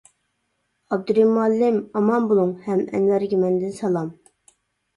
ئابدۇرېھىم مۇئەللىم ئامان بولۇڭ ھەم ئەنۋەرگە مەندىن سالام!